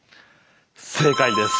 正解です。